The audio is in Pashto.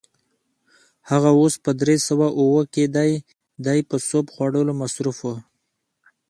هغه اوس په درې سوه اووه کې دی، دی په سوپ خوړلو مصروف و.